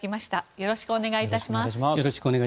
よろしくお願いします。